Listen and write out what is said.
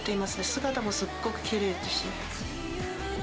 姿もすっごくきれいですし。